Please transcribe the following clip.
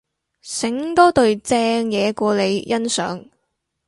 醒多隊正嘢過你欣賞